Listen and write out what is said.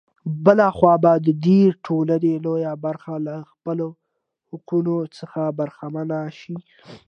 بـله خـوا بـه د دې ټـولـنې لـويه بـرخـه لـه خپـلـو حـقـونـو څـخـه بـرخـمـنـه شـي.